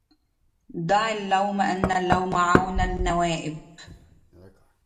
دع اللوم إن اللوم عون النوائب